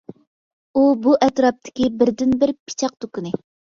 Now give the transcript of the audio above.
ئۇ بۇ ئەتراپتىكى بىردىنبىر پىچاق دۇكىنى.